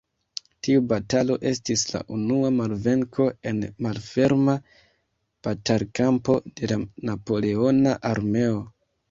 Tiu batalo estis la unua malvenko en malferma batalkampo de la Napoleona armeo.